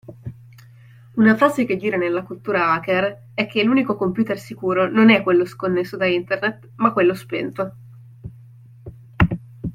Una frase che gira nella cultura hacker è che, l'unico computer sicuro, non è quello sconnesso da internet ma quello spento.